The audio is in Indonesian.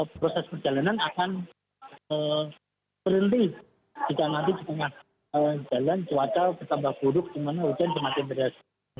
proses perjalanan akan berhenti jika nanti diperjalanan cuaca bertambah buruk di mana hujan semakin keras